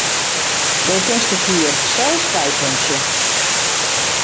Do kinst it hier sels bypuntsje.